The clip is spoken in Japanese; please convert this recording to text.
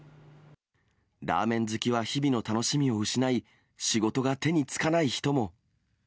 ラーメン好きは日々の楽しみを失い、仕事が手につかない人も。